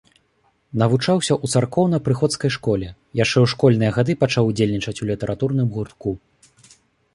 Навучаўся ў царкоўна-прыходскай школе, яшчэ ў школьныя гады пачаў удзельнічаць у літаратурным гуртку.